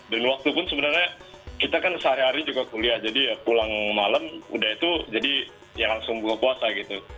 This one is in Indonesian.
dan waktu pun sebenarnya kita kan sehari hari juga kuliah jadi ya pulang malam udah itu jadi ya langsung buka puasa gitu